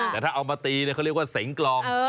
แต่ถ้าเอามาตีเขาเรียกว่าเสงกลอง